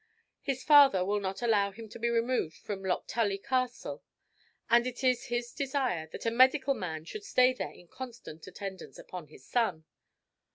His father will not allow him to be removed from Lochtully Castle, and it is his desire that a medical man should stay there in constant attendance upon his son.